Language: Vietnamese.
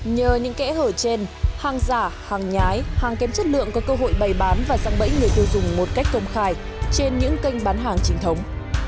nhờ những kẽ hở trên hàng giả hàng nhái hàng kém chất lượng có cơ hội bày bán và răng bẫy người tiêu dùng một cách công khai trên những kênh bán hàng chính thống